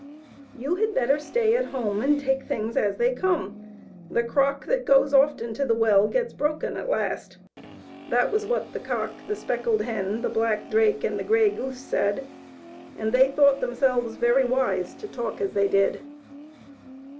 " You had better stay at home and take things as they come. The crock that goes often to the well gets broken at last ;" that was what the cock, the speckled hen, the black drake, and the grey goose said ; and they thought themselves very wise to talk as they did.